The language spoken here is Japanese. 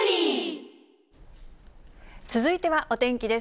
続いてはお天気です。